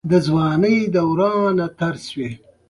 دا پېښه د تاریخ حساسې مقطعې ته د ځواب ویلو لامل شوه